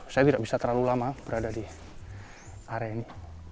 saya tidak bisa terlalu lama berada di area ini